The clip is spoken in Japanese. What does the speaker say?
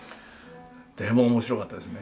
でも面白かったですね。